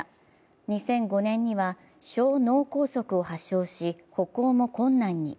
２００５年には小脳梗塞を発症し、歩行も困難に。